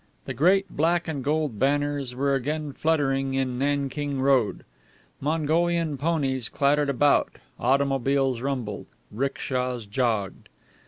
The great black and gold banners were again fluttering in Nanking Road. Mongolian ponies clattered about, automobiles rumbled, 'rickshas jogged.